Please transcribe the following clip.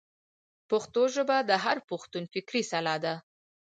پښتو ژبه د هر پښتون فکري سلاح ده.